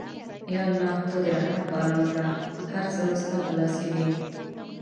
یا الله ته د رحمت باران وکړه، هر څه ستا په لاس کې دي.